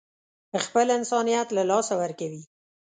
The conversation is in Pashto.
خپل انسانيت له لاسه ورکوي.